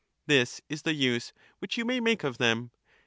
This is the use which you may make of them.